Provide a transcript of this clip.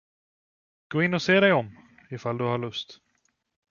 Gå in och se dig om, ifall du har lust!